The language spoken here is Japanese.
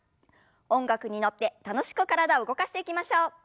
音楽に乗って楽しく体動かしていきましょう。